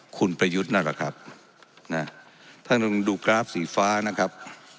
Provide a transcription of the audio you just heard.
คุณประยุทธ์นั่นแหละครับนะท่านต้องดูกราฟสีฟ้านะครับ